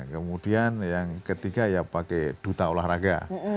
kemudian yang ketiga ya pakai duta olahraga